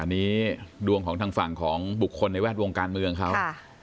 อันนี้ดวงของทางฝั่งของบุคคลในแวดวงการเมืองเขา